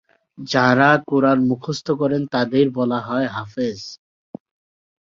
যাঁরা কুরআন মুখস্থ করেন তাঁদের বলা হয় হাফিজ।